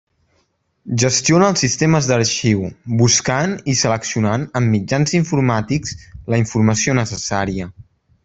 Gestiona els sistemes d'arxius, buscant i seleccionant amb mitjans informàtics la informació necessària.